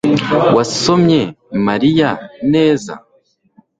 wasomye mariya? neza